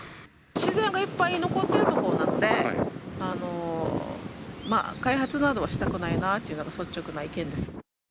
自然がいっぱい残っている所なので、開発などはしたくないなというのが率直な意見です。